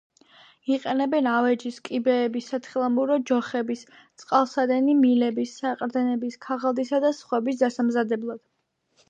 იყენებენ ავეჯის, კიბეების, სათხილამურო ჯოხების, წყალსადენი მილების, საყრდენების, ქაღალდისა და სხვების დასამზადებლად.